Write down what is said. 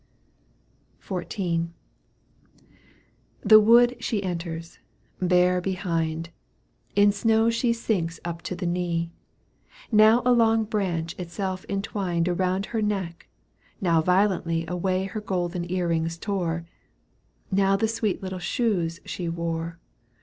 XIV. The wood she enters — ^bear behind, — In snow she sinks up to the knee ; Now a long branch itself entwined Around her neck, now violently Away her golden earrings tore ; Now the sweet little shoes she wore.